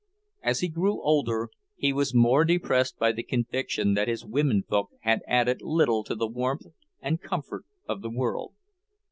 As he grew older, he was more depressed by the conviction that his women folk had added little to the warmth and comfort of the world.